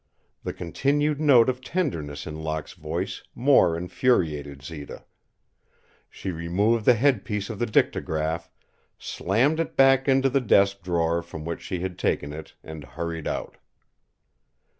The continued note of tenderness in Locke's voice more infuriated Zita. She removed the headpiece of the dictagraph, slammed it back into the desk drawer from which she had taken it, and hurried out.